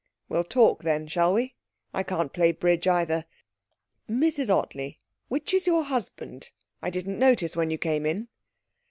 'We'll talk then, shall we? I can't play bridge either.... Mrs Ottley which is your husband? I didn't notice when you came in.'